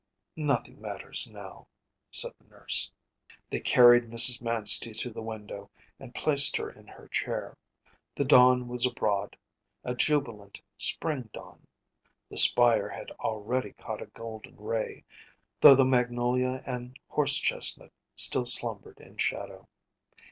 ‚ÄĚ “Nothing matters now,‚ÄĚ said the nurse. They carried Mrs. Manstey to the window and placed her in her chair. The dawn was abroad, a jubilant spring dawn; the spire had already caught a golden ray, though the magnolia and horse chestnut still slumbered in shadow.